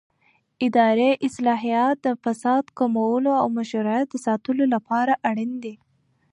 اداري اصلاحات د فساد کمولو او مشروعیت د ساتلو لپاره اړین دي